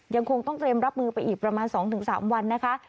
ยังคงต้องเตรียมรับมือไปอีกประมาณ๒๓วันนะคะ